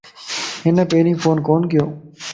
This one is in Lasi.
ھن پيرين فون ڪون ڪيو.